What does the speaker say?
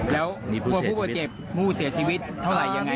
แล้วพวกผู้บาดเจ็บผู้เสียชีวิตเท่าไหร่ยังไงนะตอนนี้